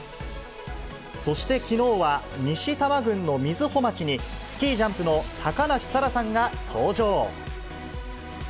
そしてきのうは、西多摩郡の瑞穂町に、スキージャンプの高梨沙羅さんが登場。